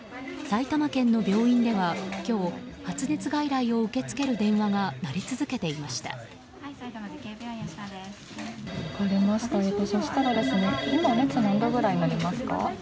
埼玉県の病院では今日発熱外来を受け付ける電話が鳴り続けていました。